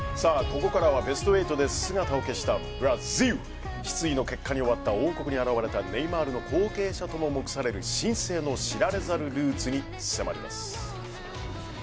ここからはベスト８で姿を消したブラジル失意の結果に終わった王国に現れたネイマールの後継者とも目される新星の知られざるルーツに迫ります。